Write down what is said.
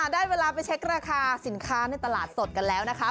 ได้เวลาไปเช็คราคาสินค้าในตลาดสดกันแล้วนะคะ